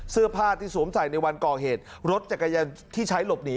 เสื้อผ้าที่สวมใส่ในวันก่อเหตุรถจักรยานที่ใช้หลบหนี